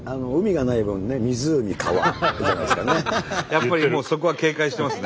やっぱりそこは警戒してますね。